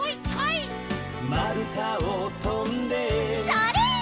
それ！